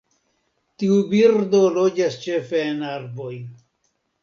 Tiu birdo loĝas ĉefe en arboj.